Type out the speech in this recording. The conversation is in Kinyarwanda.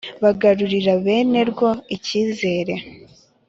Bagarurira bene rwo icyizere